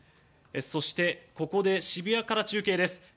そしてここで渋谷から中継です。